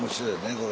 これ。